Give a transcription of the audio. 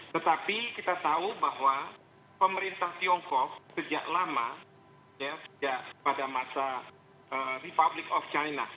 tetapi kita tahu bahwa pemerintah tiongkok sejak lama ya sejak pada masa republik indonesia